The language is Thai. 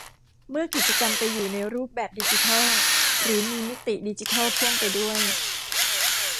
เมื่อกิจกรรมไปอยู่ในรูปแบบดิจิทัลหรือมีมิติดิจิทัลพ่วงไปด้วย